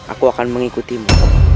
aku akan mengikutimu